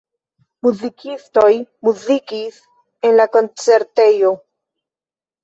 Muzikistoj muzikis en la koncertejo.